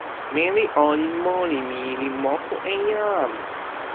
meli olin moli mi li moku e jan!